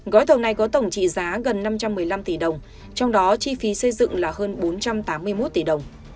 gói thầu này có tổng trị giá gần năm trăm một mươi năm tỷ đồng trong đó chi phí xây dựng là hơn bốn trăm tám mươi một tỷ đồng